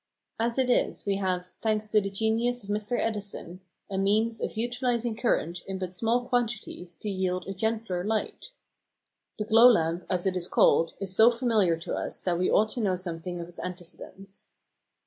As it is, we have, thanks to the genius of Mr. Edison, a means of utilising current in but small quantities to yield a gentler light. The glow lamp, as it is called, is so familiar to us that we ought to know something of its antecedents.